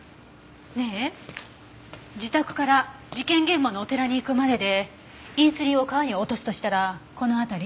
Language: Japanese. ねえ自宅から事件現場のお寺に行くまででインスリンを川に落とすとしたらこの辺り？